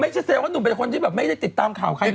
ไม่ใช่เสียว่าหนูเป็นคนที่ไม่ได้ติดตามข่าวใครเลย